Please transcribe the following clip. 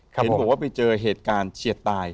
เห็นบอกว่าไปเจอเหตุการณ์เฉียดตาย